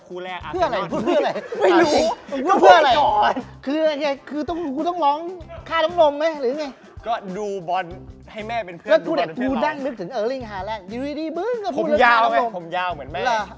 คู่แรกอร์เซ็นทีนอน